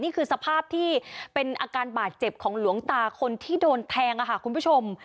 นี่คือสภาพที่เป็นอาการบาดเจ็บของหลวงตาคนที่โดนแทงค่ะคุณผู้ชม